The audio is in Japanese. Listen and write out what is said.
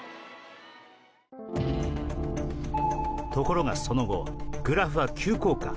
ところが、その後グラフは急降下。